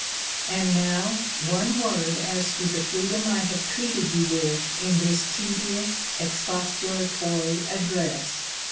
And now, one word, as to the freedom I have treated you with in this tedious expostulatory address.